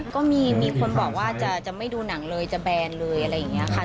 ก็มีคนบอกว่าจะไม่ดูหนังเลยจะแบนเลยอะไรอย่างนี้ค่ะ